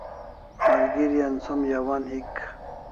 Malgeri an som yawan hik